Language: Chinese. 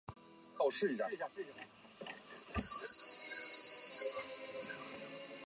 甘溪是古时广州城区的重要水道。